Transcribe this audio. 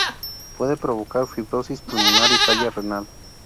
Puede provocar fibrosis pulmonar y falla renal.